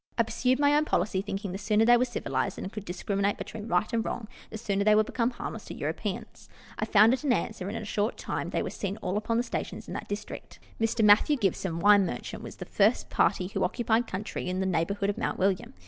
I pursued my own policy, thinking the sooner they were civilized, and could discriminate between right and wrong, the sooner they would become harmless to Europeans. I found it answer, and in a short time they were seen upon all the stations in that district. Letters from Victorian Pioneers. 237 Mr. Matthew Gibson (wiue merchant) was the first party who occupied country in the neighbourhood of Mount William.